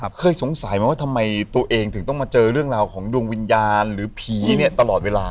เคยสงสัยไหมว่าทำไมตัวเองถึงต้องมาเจอเรื่องราวของดวงวิญญาณหรือผีเนี่ยตลอดเวลา